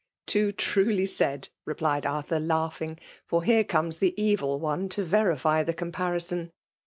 " Too truly said !" replied Arthur, laughing, "for here comes the evil one to verify the comparison